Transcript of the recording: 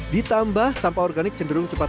ditambah sampah organik cenderung cepat